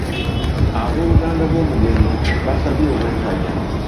Abooluganda b'omugenzi baasabye obwenkanya.